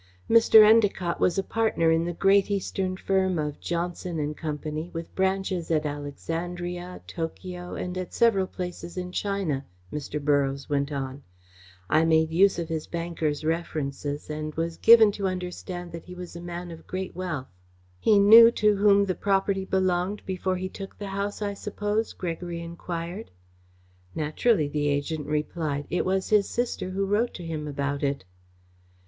"Mr. Endacott was a partner in the great Eastern firm of Johnson and Company, with branches at Alexandria, Tokio, and at several places in China," Mr. Borroughes went on. "I made use of his banker's references, and was given to understand that he was a man of great wealth." "He knew to whom the property belonged before he took the house, I suppose?" Gregory enquired. "Naturally," the agent replied. "It was his sister who wrote to him about it."